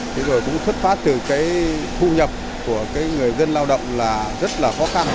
thế rồi cũng xuất phát từ cái thu nhập của cái người dân lao động là rất là khó khăn